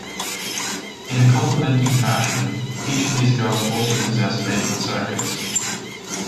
In a complementing fashion, each of these girls also possess maiden circuits.